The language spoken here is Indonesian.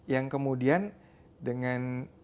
yang kemudian dengan